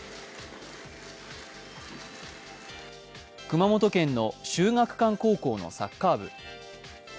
熊本県の秀学館高校のサッカー部。